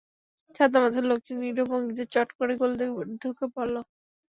ছাতামাথায় লোকটি নিরীহ ভঙ্গিতে চট করে গলিতে ঢুকে পড়ল।